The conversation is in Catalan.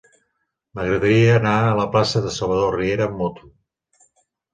M'agradaria anar a la plaça de Salvador Riera amb moto.